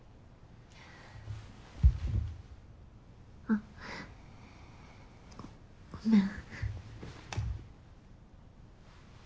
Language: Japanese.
あっごごめん。